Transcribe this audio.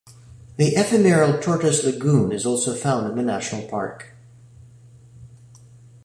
The ephemeral Tortoise Lagoon is also found in the national park.